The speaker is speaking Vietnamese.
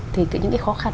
thì những cái khó khăn